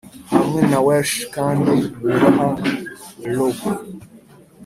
hamwe na welsh kandi wubaha rook